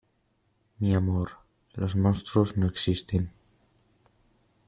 mi amor, los monstruos no existen.